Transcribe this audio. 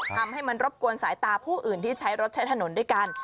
ทำให้มันรบกวนสายตาผู้อื่นที่ใช้รถใช้ถนนด้วยกัน